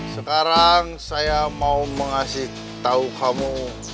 sekarang saya mau mengasih tahu kamu